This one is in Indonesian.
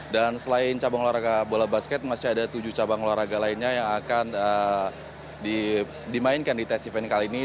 dan selain cabang olahraga bola basket masih ada tujuh cabang olahraga lainnya yang akan dimainkan di tes event kali ini